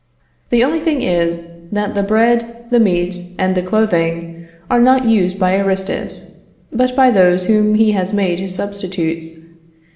The only thing is, that the bread, the meat, and the clothing are not used by Aristus, but by those whom he has made his substitutes.